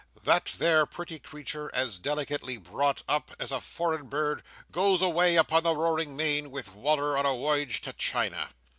That there pretty creetur, as delicately brought up as a foreign bird, goes away upon the roaring main with Wal"r on a woyage to China!"